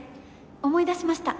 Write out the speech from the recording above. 思い出しました。